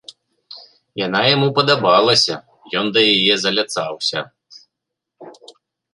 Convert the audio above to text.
Яна яму падабалася, ён да яе заляцаўся.